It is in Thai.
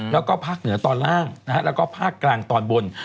แล้วก็ภาคเหนือตอนล่างแล้วก็ภาคกลางตอนบน